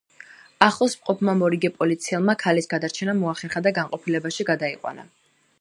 ახლოს მყოფმა მორიგე პოლიციელმა ქალის გადარჩენა მოახერხა და განყოფილებაში გადაიყვანა.